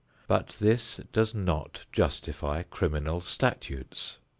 But this does not justify criminal statutes.